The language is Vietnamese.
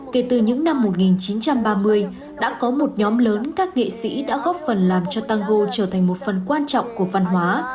kể từ những năm một nghìn chín trăm ba mươi đã có một nhóm lớn các nghệ sĩ đã góp phần làm cho tango trở thành một phần quan trọng của văn hóa